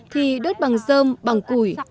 thì đốt bằng dơm bằng củi